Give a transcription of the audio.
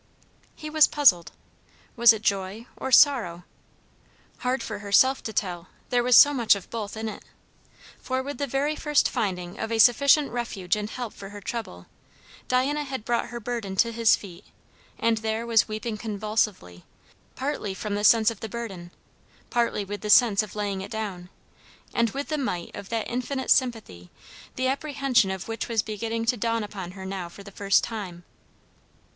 He was puzzled. Was it joy or sorrow? Hard for herself to tell, there was so much of both in it. For, with the very first finding of a sufficient refuge and help for her trouble, Diana had brought her burden to his feet, and there was weeping convulsively; partly from the sense of the burden, partly with the sense of laying it down, and with the might of that infinite sympathy the apprehension of which was beginning to dawn upon her now for the first time.